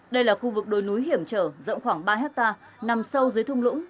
đây là khu vực đồi núi hiểm trở rộng khoảng ba hectare nằm sâu dưới thung lũng